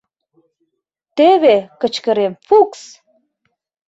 — Тӧвӧ, — кычкырем, — Фукс!